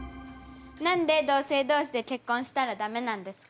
何で同性同士で結婚したら駄目なんですか？